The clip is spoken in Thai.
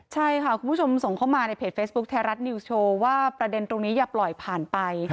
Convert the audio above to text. ใช่ค่ะคุณผู้ชมส่งเข้ามาในเพจเฟซบุ๊คไทยรัฐนิวสโชว์ว่าประเด็นตรงนี้อย่าปล่อยผ่านไป